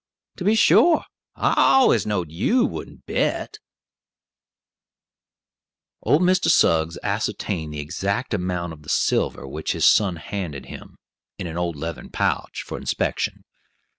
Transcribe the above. To be sure, I allers knowed you wouldn't bet." Old Mr. Suggs ascertained the exact amount of the silver which his son handed him, in an old leathern pouch, for inspection.